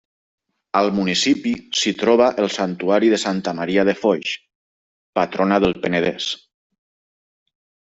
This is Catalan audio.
Al municipi s'hi troba el Santuari de Santa Maria de Foix, patrona del Penedès.